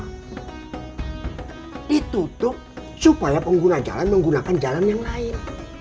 atau ada jalan yang ditutup supaya pengguna jalan menggunakan jalan yang lain